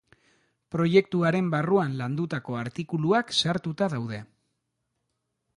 Proiektu haren barruan landutako artikuluak sartuta daude.